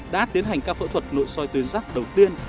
đã tiến hành các phẫu thuật nội soi tuyến giác đầu tiên